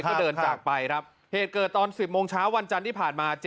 ก็เดินจากไปครับเหตุเกิดตอน๑๐โมงเช้าวันจันทร์ที่ผ่านมา